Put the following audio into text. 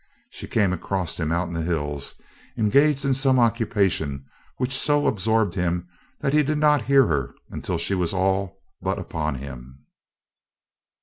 She came across him out in the hills, engaged in some occupation which so absorbed him that he did not hear her until she was all but upon him.